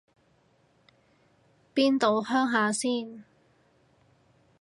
邊度鄉下先